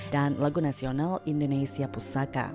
dan lagu nasional indonesia pusaka